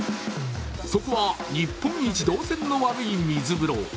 そこは日本一、導線の悪い水風呂。